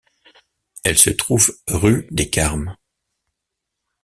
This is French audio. Elle se trouve Rue des Carmes.